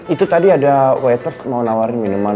itu tadi ada waters mau nawarin minuman